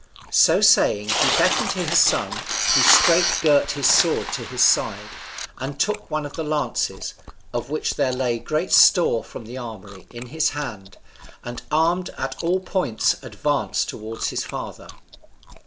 So saying, he beckoned to his son, who straight girt his sword to his side, and took one of the lances (of which there lay great store from the armoury) in his hand, and armed at all points advanced towards his father.